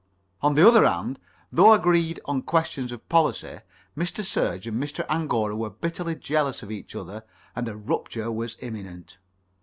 On the other hand, though agreed on questions of policy, Mr. Serge and Mr. Angora were bitterly jealous of each other, and a rupture was imminent.